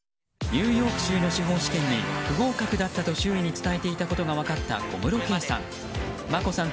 ニューヨーク州の司法試験で不合格だったと周囲に伝えていたことが分かった小室圭さん。